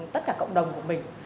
tất cả cộng đồng của mình